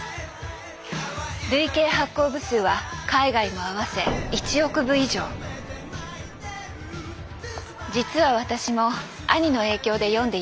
累計発行部数は海外も合わせ実は私も兄の影響で読んでいました。